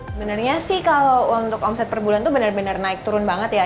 sebenarnya sih kalau untuk omset per bulan itu benar benar naik turun banget ya